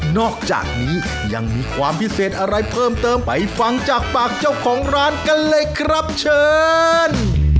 อกจากนี้ยังมีความพิเศษอะไรเพิ่มเติมไปฟังจากปากเจ้าของร้านกันเลยครับเชิญ